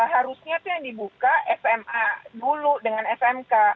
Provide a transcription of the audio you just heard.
harusnya itu yang dibuka sma dulu dengan smk